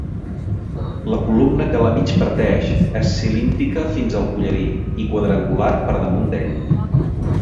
La columna que la migparteix és cilíndrica fins al collarí i quadrangular per damunt d'ell.